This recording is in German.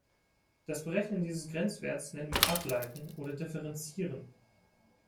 Das Berechnen dieses Grenzwerts nennt man "Ableiten" oder "Differenzieren".